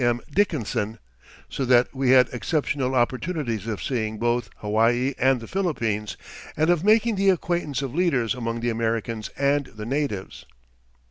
M. Dickinson, so that we had exceptional opportunities of seeing both Hawaii and the Philippines, and of making the acquaintance of leaders among the Americans and the natives.